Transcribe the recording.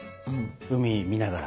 海見ながら。